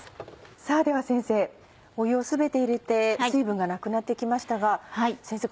さぁでは先生湯を全て入れて水分がなくなって来ましたが先生